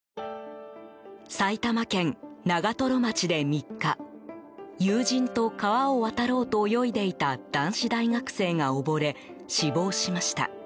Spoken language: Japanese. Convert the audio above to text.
埼玉県長瀞町で３日友人と川を渡ろうと泳いでいた男子大学生が溺れ死亡しました。